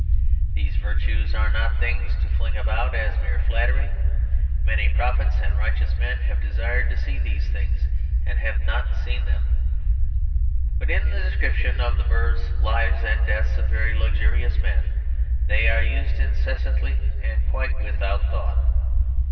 These virtues are not things to fling about as mere flattery; many prophets and righteous men have desired to see these things and have not seen them. But in the description of the births, lives, and deaths of very luxurious men they are used incessantly and quite without thought.